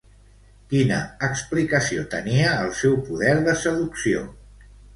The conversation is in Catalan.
Quina explicació tenia el seu poder de seducció?